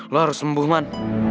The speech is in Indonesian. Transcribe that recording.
lu harus sembuh man